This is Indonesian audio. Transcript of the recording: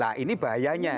nah ini bahayanya